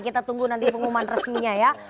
kita tunggu nanti pengumuman resminya ya